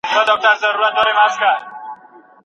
د حکومت سمه څارنه د ملي ګټو تضمين کوي.